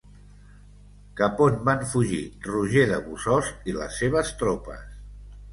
Cap on van fugir Roger de Bossost i les seves tropes?